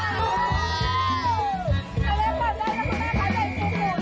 เวลาหมดได้และก็แปลงขายใดฟุกูนะคะ